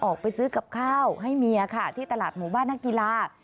ออกไปซื้อกับข้าวให้เมียค่ะที่ตลาดหมู่บ้านนักกีฬา